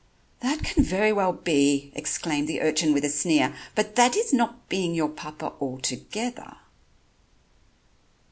"That can very well be," exclaimed the urchin with a sneer, "but that is not being your Papa altogether."